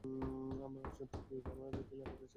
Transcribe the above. আমরা কি সত্যিই আমাকে দিয়ে এটা লেখাতে চাই?